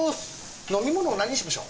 飲み物何にしましょう？